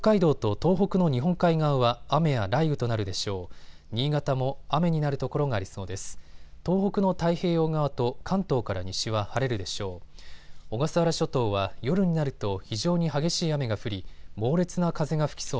東北の太平洋側と関東から西は晴れるでしょう。